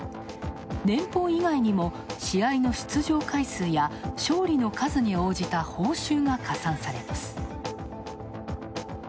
年俸以外にも試合の出場回数や勝利の数に応じた報酬が加算されます。